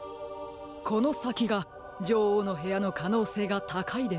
このさきがじょおうのへやのかのうせいがたかいでしょう。